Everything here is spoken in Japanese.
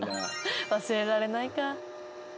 忘れられないか。